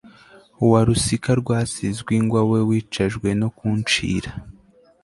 wa rusika rwasizwe ingwa we wicajwe no kuncira